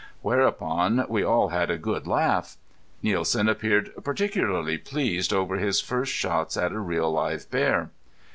Whereupon we all had a good laugh. Nielsen appeared particularly pleased over his first shots at a real live bear.